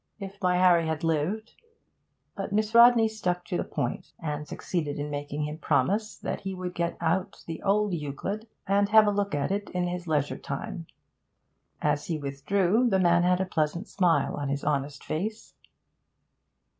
If my Harry had lived' But Miss Rodney stuck to the point, and succeeded in making him promise that he would get out the old Euclid and have a look at it in his leisure time. As he withdrew, the man had a pleasant smile on his honest face.